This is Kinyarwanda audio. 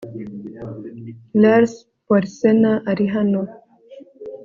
Lars Porsena arihano